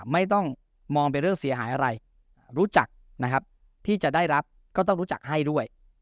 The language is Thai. ไม่ต้องมองเป็นเรื่องเสียหายอะไรรู้จักนะครับที่จะได้รับก็ต้องรู้จักให้ด้วย